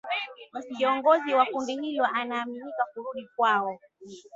Kiongozi wa kundi hilo anaaminika kurudi kwao